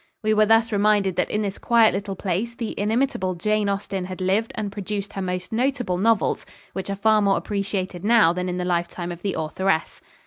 We were thus reminded that in this quiet little place the inimitable Jane Austin had lived and produced her most notable novels, which are far more appreciated now than in the lifetime of the authoress.